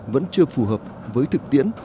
vẫn chưa phù hợp với thực tiễn